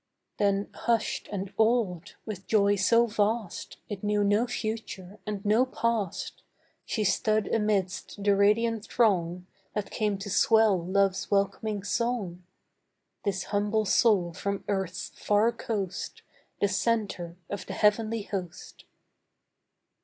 Then hushed and awed, with joy so vast It knew no future and no past, She stood amidst the radiant throng That came to swell love's welcoming song— This humble soul from earth's far coast The centre of the heavenly host.